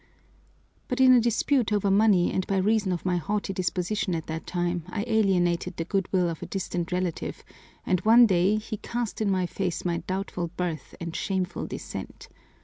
"But in a dispute over money and by reason of my haughty disposition at that time, I alienated the good will of a distant relative, and one day he east in my face my doubtful birth and shameful descent.